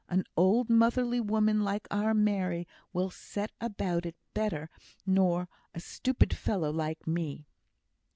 An old motherly woman like our Mary will set about it better nor a stupid fellow like me."